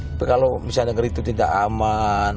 tapi kalau misalnya negeri itu tidak aman